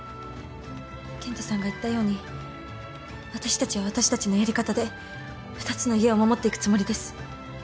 健太さんが言ったように私たちは私たちのやり方で２つの家を守っていくつもりです。